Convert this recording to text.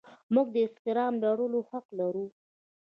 موږ د احترام لرلو حق لرو.